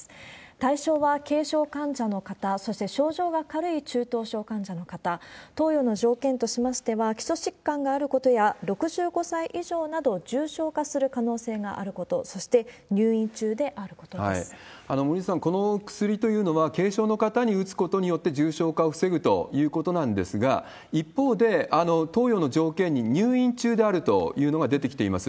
対象は軽症患者の方、そして症状が軽い中等症患者の方、投与の条件としましては、基礎疾患があることや、６５歳以上など、重症化する可能性があること、そして、森内さん、この薬というのは、軽症の方に打つことによって重症化を防ぐということなんですが、一方で、投与の条件に入院中であるというのが出てきています。